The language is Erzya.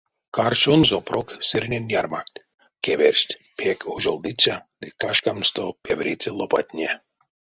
Каршонзо, прок сырнень ярмакт, кеверсть пек ожолдыця ды кашкамсто певериця лопатне.